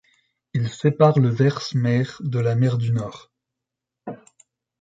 Il sépare le Veerse Meer de la mer du Nord.